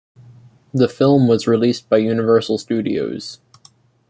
The film was released by Universal Studios.